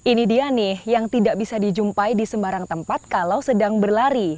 ini dia nih yang tidak bisa dijumpai di sembarang tempat kalau sedang berlari